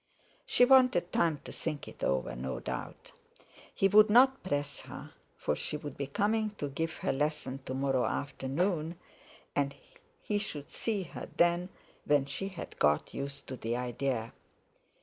She wanted time to think it over, no doubt! He would not press her, for she would be coming to give her lesson to morrow afternoon, and he should see her then when she had got used to the idea.